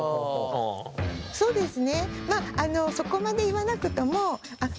そうですね